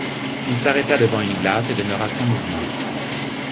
Il s’arrêta devant une glace et demeura sans mouvement.